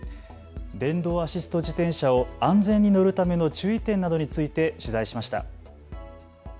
電動アシスト自転車を安全に乗るための注意点などについて取材しました。